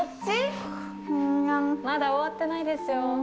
まだ終わってないですよ。